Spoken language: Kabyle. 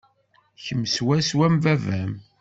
Kemm swaswa am baba-m.